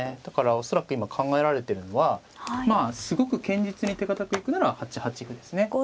だから恐らく今考えられてるのはすごく堅実に手堅く行くなら８八歩ですね。